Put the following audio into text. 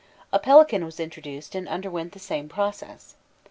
A pelican was produced, and underwent the same process.